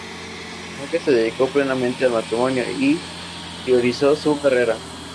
Nunca se dedicó plenamente al matrimonio y priorizó su carrera.